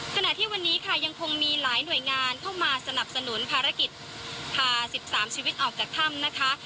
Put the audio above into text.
ขณะที่วันนี้ค่ะยังคงมีหลายหน่วยงานเข้ามาสนับสนุนภารกิจพา๑๓ชีวิตออกจากถ้ำนะคะ